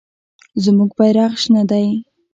زموږ بیرغ شنه دی.